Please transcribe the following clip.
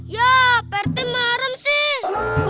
ya pak rete maram sih